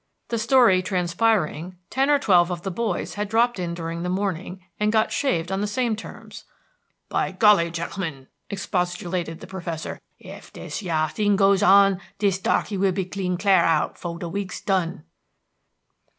The story transpiring, ten or twelve of the boys had dropped in during the morning, and got shaved on the same terms. "By golly, gen'l'men!" expostulated the professor, "ef dis yah thing goes on, dis darkey will be cleaned cl'ar out fo de week's done."